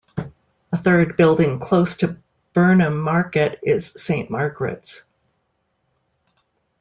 A third building close to Burnham Market is Saint Margaret's.